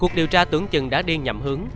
cuộc điều tra tưởng chừng đã đi nhầm hướng